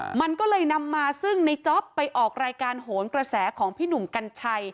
มันก็เลยนำมาซึ่งในจ๊อปไปออกรายการโหนกระแสของพี่หนุ่มกัญชัย